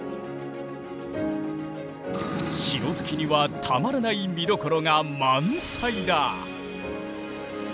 城好きにはたまらない見どころが満載だ。